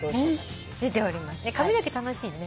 髪の毛楽しいね。